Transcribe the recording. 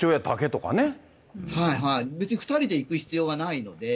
はいはい、別に２人で行く必要がないので。